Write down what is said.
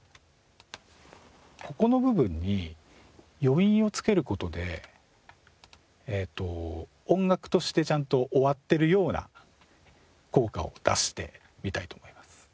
ここの部分に余韻をつける事で音楽としてちゃんと終わっているような効果を出してみたいと思います。